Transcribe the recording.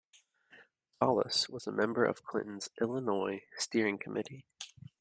Solis was a member of Clinton's Illinois Steering Committee.